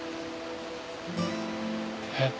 えっ？